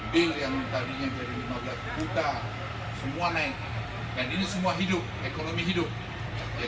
tidak ada satupun tadi homestay yang kosong malah harganya jadi tiga kali lipat